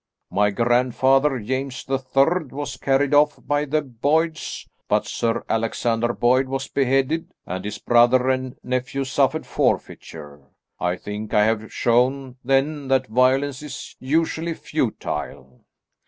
My grandfather James the Third was carried off by the Boyds, but Sir Alexander Boyd was beheaded and his brother and nephew suffered forfeiture. I think I have shown then that violence is usually futile."